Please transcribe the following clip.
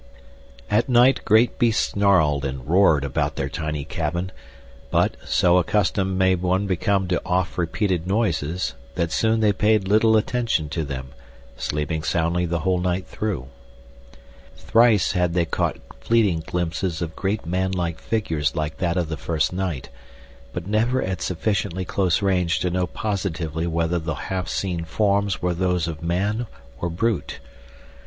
At night great beasts snarled and roared about their tiny cabin, but, so accustomed may one become to oft repeated noises, that soon they paid little attention to them, sleeping soundly the whole night through. Thrice had they caught fleeting glimpses of great man like figures like that of the first night, but never at sufficiently close range to know positively whether the half seen forms were those of man or brute.